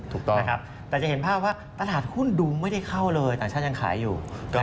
แต่จะเห็นภาพว่าตลาดหุ้นดูไม่ได้เข้าเลยต่างชาติยังขายอยู่